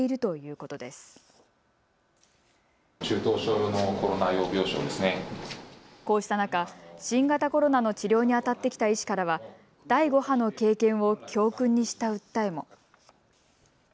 こうした中、新型コロナの治療にあたってきた医師からは第５波の経験を教訓にした訴えも。